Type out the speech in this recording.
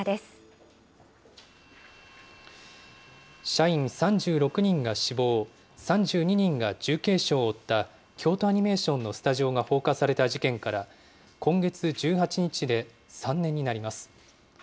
社員３６人が死亡、３２人が重軽傷を負った、京都アニメーションのスタジオが放火された事件から、今月１８日で３年になります。